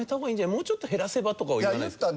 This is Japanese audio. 「もうちょっと減らせば？」とかは言わないんですか？